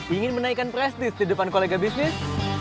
ingin menaikkan prestis di depan kolega bisnis